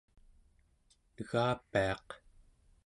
negapiaq